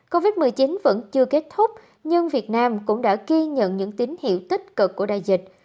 covid một mươi chín vẫn chưa kết thúc nhưng việt nam cũng đã ghi nhận những tín hiệu tích cực của đại dịch